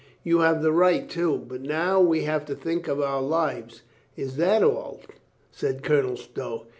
You have the right, too. But now we have to think of our lives." "Is that all?" said Colonel Stow.